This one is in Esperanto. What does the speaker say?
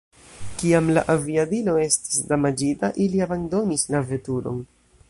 Kiam la aviadilo estis damaĝita, ili abandonis la veturon.